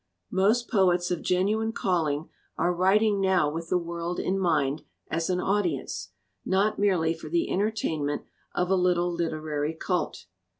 Most poets of genuine calling are writing now with the world in mind as an audience, not merely for the entertainment of a little literary cult.